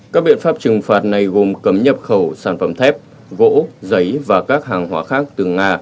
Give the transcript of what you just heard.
các biện pháp trừng phạt này gồm cấm nhập khẩu sản phẩm thép gỗ giấy và các hàng hóa khác từ nga